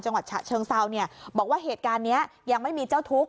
ฉะเชิงเซาเนี่ยบอกว่าเหตุการณ์นี้ยังไม่มีเจ้าทุกข์